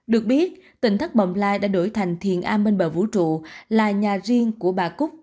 được biết tỉnh thất bồng lai đã đổi thành thiền a bên bờ vũ trụ là nhà riêng của bà cúc